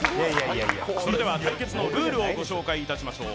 それでは対決のルールをご紹介しましょう。